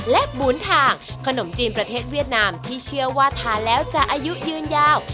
และหมูนทางขนมจีนประเทศเวียดนามที่เชื่อว่าทานแล้วจะอายุยืนยาว